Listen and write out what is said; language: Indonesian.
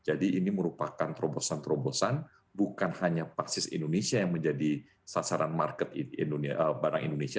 jadi ini merupakan terobosan terobosan bukan hanya paksis indonesia yang menjadi sasaran market barang indonesia